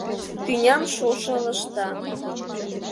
Тӱням шошо ылыжта.